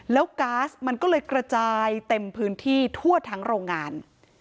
แล้วก๊าซมันก็เลยกระจายเต็มพื้นที่ทั่วทั้งโรงงาน